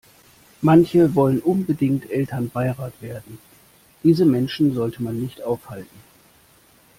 Manche wollen unbedingt Elternbeirat werden, diese Menschen sollte man nicht aufhalten.